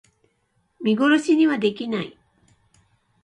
見殺しにはできない